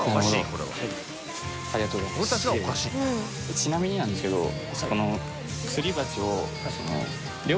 ちなみになんですけど水野Ｄ）